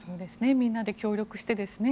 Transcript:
みんなで協力してですね。